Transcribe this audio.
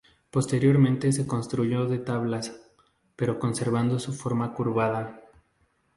Posteriormente se construyó de tablas, pero conservando su forma curvada.